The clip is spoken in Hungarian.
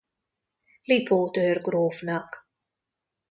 Lipót őrgrófnak.